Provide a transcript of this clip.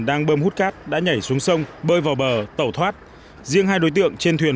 đang bơm hút cát đã nhảy xuống sông bơi vào bờ tẩu thoát riêng hai đối tượng trên thuyền